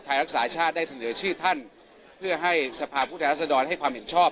รักษาชาติได้เสนอชื่อท่านเพื่อให้สภาพผู้แทนรัศดรให้ความเห็นชอบ